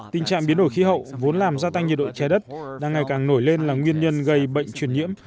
tình trạng biến đổi khí hậu vốn làm gia tăng nhiệt độ trái đất đang ngày càng nổi lên là nguyên nhân gây bệnh truyền nhiễm